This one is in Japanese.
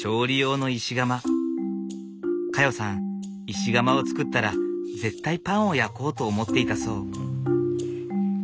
石窯を作ったら絶対パンを焼こうと思っていたそう。